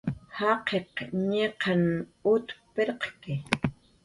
Jaqiq ñiqan ut pirqki